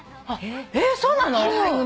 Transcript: えっそうなの？